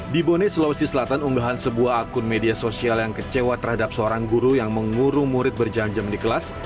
di bone sulawesi selatan unggahan sebuah akun media sosial yang kecewa terhadap seorang guru yang mengurung murid berjam jam di kelas